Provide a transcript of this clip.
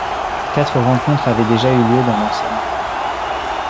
Quatre rencontres avaient déjà eu lieu dans l'ancienne arène.